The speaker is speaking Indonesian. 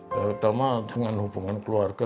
terutama dengan hubungan keluarga